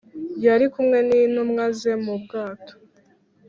yari kumwe n intumwa ze mu bwato.